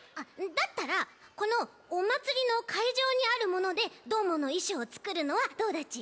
だったらこのおまつりのかいじょうにあるものでどーものいしょうをつくるのはどうだっち？